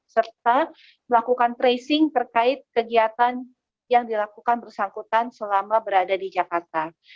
serta melakukan tracing terkait kegiatan yang dilakukan bersangkutan selama berada di jakarta